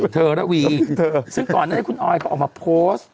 ถึงก่อนนั้นน่ะคุณออยก็ออกมาโพสต์